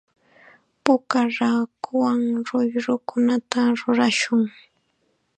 Puka raakuwan ruyrukunata rurashun.